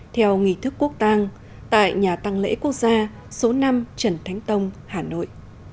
theo nghị thức quốc tàng tại nhà tăng lễ quốc gia số năm trần thánh tông hà nội